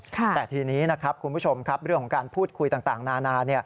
แต่ทีนี้นะครับคุณผู้ชมครับเรื่องของการพูดคุยต่างนานา